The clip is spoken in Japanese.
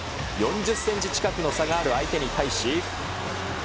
４０センチ近くの差がある相手に対し。